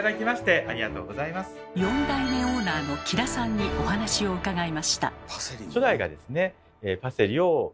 ４代目オーナーの木田さんにお話を伺いました。